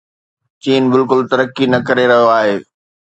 چين بلڪل ترقي نه ڪري رهيو آهي.